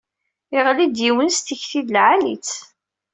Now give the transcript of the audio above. Iɣli-d yiwen s tikti d lεali-tt.